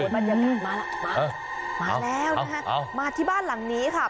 มาแล้วนะฮะมาที่บ้านหลังนี้ค่ะ